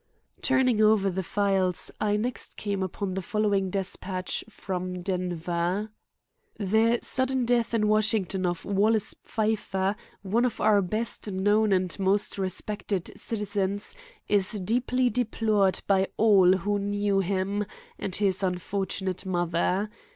Turning over the files, I next came upon the following despatch from Denver: "The sudden death in Washington of Wallace Pfeiffer, one of our best known and most respected citizens, is deeply deplored by all who knew him and his unfortunate mother.